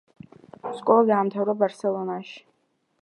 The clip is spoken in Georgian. სკოლა დაამთავრა ბარსელონაში.